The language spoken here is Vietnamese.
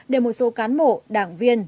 để một số cán bộ đảng viên